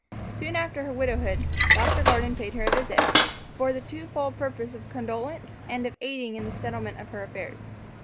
Soon after her widowhood, Dr. Gordon paid her a visit, for the two fold purpose of condolence and of aiding in the settlement of her affairs.